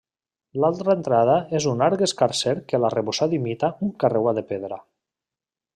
L'altra entrada és un arc escarser que l'arrebossat imita un carreuat de pedra.